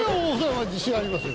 自信ありますよ。